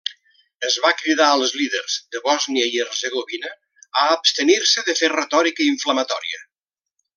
Es va cridar als líders de Bòsnia i Hercegovina a abstenir-se de fer retòrica inflamatòria.